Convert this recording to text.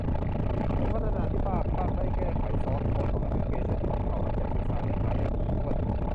ผู้พัฒนาที่บ้าคลั่งได้แก้ไขซอร์สโค้ดของแอปพลิเคชันของเขาหลังจากศึกษาเนื้อหาอย่างถี่ถ้วน